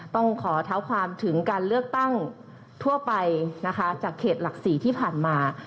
ต้องขอเท้าความถึงการเลือกตั้งทั่วไปนะคะจากเขตหลัก๔ที่ผ่านมา